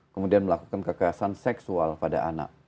kemudian melakukan kekerasan seksual pada anak